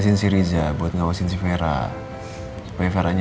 sinsi riza buat ngawasin si fira fira nya